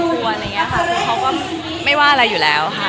พุทธเขาก็ไม่ว่าอะไรอยู่แล้วค่ะ